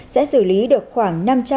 sẽ xử lý được khoảng